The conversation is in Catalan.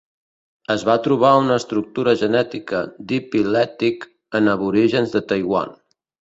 Es va trobar una estructura genètica "diphyletic" en aborígens de Taiwan.